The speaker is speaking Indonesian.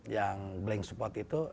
yang blank spot itu